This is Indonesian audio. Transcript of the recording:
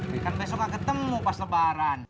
mereka besok gak ketemu pas lebaran